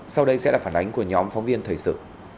sau đây sẽ là phản ánh của nhóm phóng viên thời sự